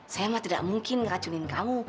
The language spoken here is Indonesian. saya mah tidak mungkin ngeracunin kamu